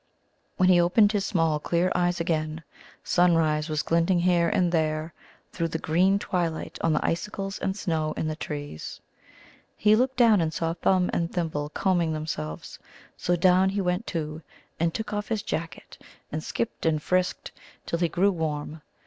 When he opened his small clear eyes again, sunrise was glinting here and there through the green twilight on the icicles and snow in the trees. He looked down, and saw Thumb and Thimble combing themselves. So down he went, too, and took off his jacket, and skipped and frisked till he grew warm.